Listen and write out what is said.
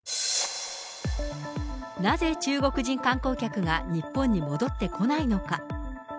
なぜ中国人観光客が日本に戻ってこないのか。